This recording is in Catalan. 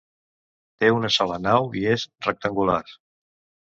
Té una sola nau i és rectangular.